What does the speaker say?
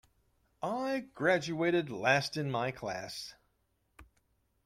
I graduated last of my class.